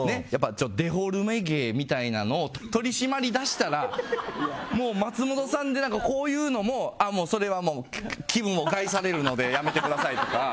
デフォルメ芸みたいなのを取り締まり出したらもう松本さんでこういうのもあ、それ気分を害されるのでやめてくださいとか。